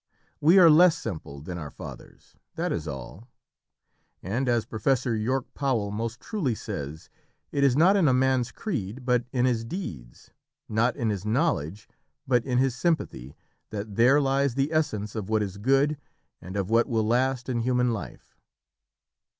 We are less simple than our fathers: that is all. And, as Professor York Powell most truly says: "It is not in a man's creed, but in his deeds; not in his knowledge, but in his sympathy, that there lies the essence of what is good and of what will last in human life."